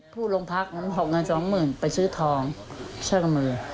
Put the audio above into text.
ผู้โรงพักษณ์หกเงินสองหมื่นไปซื้อทองช่วยกับมือ